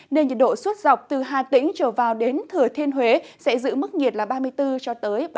nên nhiệt độ suốt dọc từ hà tĩnh trở vào đến thừa thiên huế sẽ giữ mức nhiệt là ba mươi bốn ba mươi năm độ